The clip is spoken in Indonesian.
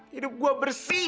hidup gua bersih